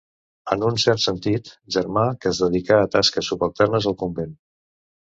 En un cert sentit, germà que es dedica a tasques subalternes al convent.